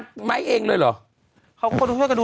ทำไม